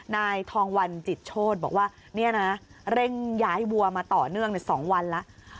นายทองวันจิตโชธบอกว่าเนี่ยนะเร่งย้ายวัวมาต่อเนื่องใน๒วันแล้ว